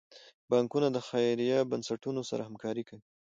بانکونه د خیریه بنسټونو سره همکاري کوي.